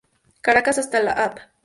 Caracas hasta la Av.